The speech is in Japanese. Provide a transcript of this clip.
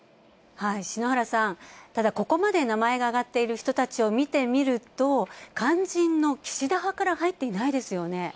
篠原さん、ここまで名前が挙がっている人たちを見てみると、肝心の岸田派から入っていないですよね。